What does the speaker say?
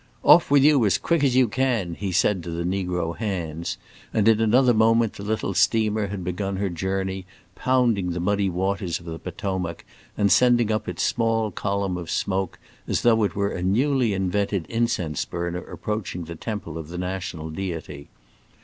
"Off with you as quick as you can!" said he to the negro hands, and in another moment the little steamer had begun her journey, pounding the muddy waters of the Potomac and sending up its small column of smoke as though it were a newly invented incense burner approaching the temple of the national deity.